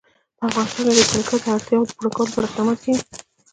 په افغانستان کې د جلګه د اړتیاوو پوره کولو لپاره اقدامات کېږي.